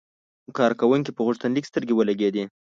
کارکونکي په غوښتنلیک سترګې ولګېدې.